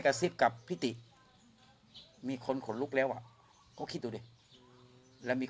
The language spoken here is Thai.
ซิบกับพี่ติมีคนขนลุกแล้วอ่ะเขาคิดดูดิแล้วมี